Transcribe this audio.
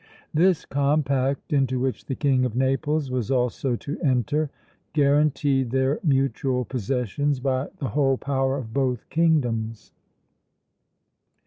This compact, into which the King of Naples was also to enter, guaranteed their mutual possessions by the whole power of both kingdoms.